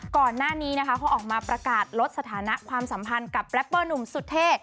ก่อนหน้านี้นะคะเขาออกมาประกาศลดสถานะความสัมพันธ์กับแรปเปอร์หนุ่มสุดเท่